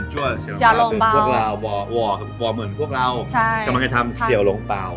เหมือนพวกเรากำลังให้ทำเสี่ยวโรงเปล่า